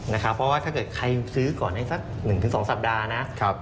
เพราะว่าถ้าเกิดใครซื้อก่อนได้สัก๑๒สัปดาห์นะ